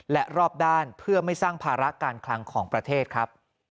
และรอบด้านเพื่อไม่สร้างภาระการคลังของประเทศครับ